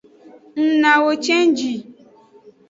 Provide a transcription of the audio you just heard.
Ng nawo cenji.